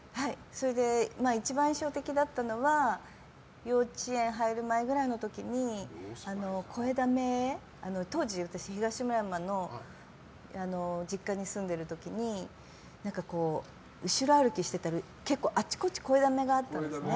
一番印象的だったのは幼稚園入る前くらいの時に当時、私東村山の実家に住んでる時に後ろ歩きしてたら結構あちこちに肥溜めがあったんですね。